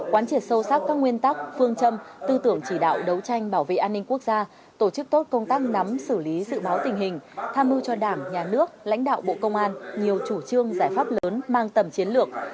quán triệt sâu sắc các nguyên tắc phương châm tư tưởng chỉ đạo đấu tranh bảo vệ an ninh quốc gia tổ chức tốt công tác nắm xử lý dự báo tình hình tham mưu cho đảng nhà nước lãnh đạo bộ công an nhiều chủ trương giải pháp lớn mang tầm chiến lược